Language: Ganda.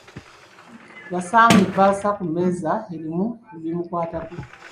Yasanga ebbaasa ku mmeeza erimu ebimukwatako.